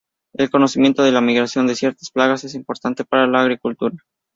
El conocimiento de la migración de ciertas plagas es importante para la agricultura.